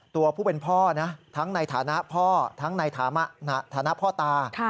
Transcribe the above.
ตัวผู้เป็นพ่อนะทั้งในฐานะพ่อทั้งในฐานะพ่อตา